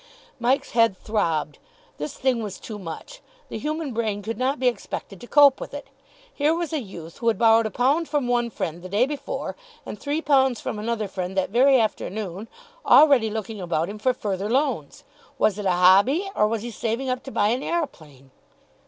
Mike's head throbbed. This thing was too much. The human brain could not be expected to cope with it. Here was a youth who had borrowed a pound from one friend the day before, and three pounds from another friend that very afternoon, already looking about him for further loans. Was it a hobby, or was he saving up to buy an aeroplane?